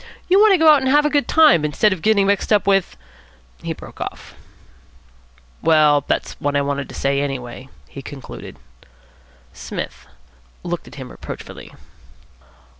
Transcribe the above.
You want to go about and have a good time, instead of getting mixed up with " He broke off. "Well, that's what I wanted to say, anyway," he concluded. Psmith looked at him reproachfully.